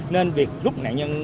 nên việc rút nạn nhân